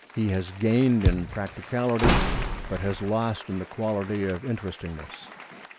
He has gained in practicality, but has lost in the quality of interestingness.